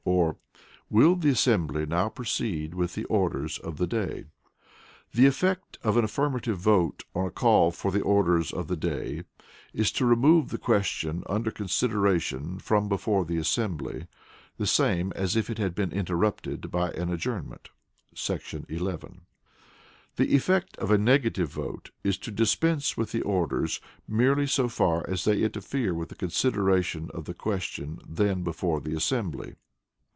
or, "Will the assembly now proceed with the Orders of the Day?" The Effect of an affirmative vote on a call for the Orders of the Day, is to remove the question under consideration from before the assembly, the same as if it had been interrupted by an adjournment [§ 11]. The Effect of a negative vote is to dispense with the orders merely so far as they interfere with the consideration of the question then before the assembly.